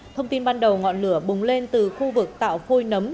thông tin ban đầu ngọn lửa bùng lên từ khu vực tạo phôi nấm